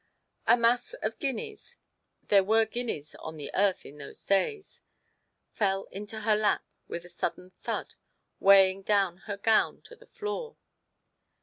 A mass of guineas (there were guineas on the earth in those days) fell into her lap with a sudden thud, weighing down her gown to the floor.